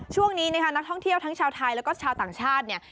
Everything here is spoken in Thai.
ช่วงนี้นะคะนักท่องเที่ยวทั้งชาวไทยแล้วก็ชาวต่างชาติเนี่ย